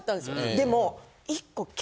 でも。